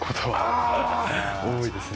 あー、多いですね。